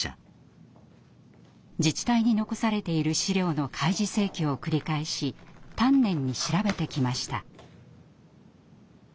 自治体に残されている資料の開示請求を繰り返し丹念に調べてきました。